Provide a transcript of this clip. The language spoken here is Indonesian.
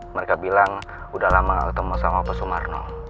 mereka bilang udah lama gak ketemu sama pak sumarno